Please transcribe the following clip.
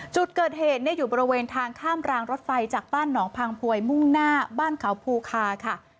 จุดเกิดเหตุอยู่บริเวณทางข้ามรางรถไฟจากบ้านหนองพังพวยมุ่งหน้าบ้านเขาภูคาค่ะ